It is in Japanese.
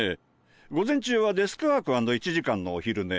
午前中はデスクワーク＆１時間のお昼寝。